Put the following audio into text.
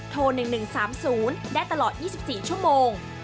โทร๑๑๓๐ได้ตลอด๒๔ชั่วโมง